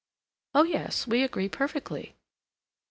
"Oh, yes. We agree perfectly."